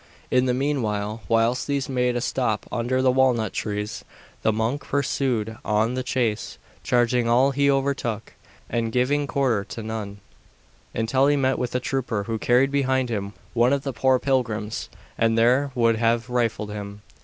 In the meanwhile, whilst these made a stop under the walnut trees, the monk pursued on the chase, charging all he overtook, and giving quarter to none, until he met with a trooper who carried behind him one of the poor pilgrims, and there would have rifled him.